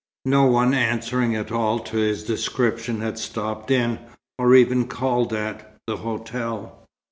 No one answering at all to his description had stopped in, or even called at, the hotel.